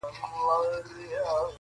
امر دی د پاک یزدان ګوره چي لا څه کیږي،